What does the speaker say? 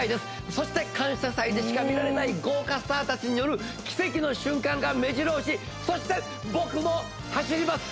そして感謝祭でしか見られない豪華スターたちによる奇跡の瞬間がめじろ押しそして僕も走ります